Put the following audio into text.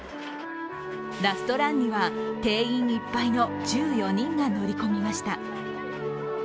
ラストランには定員いっぱいの１４人が乗り込みました。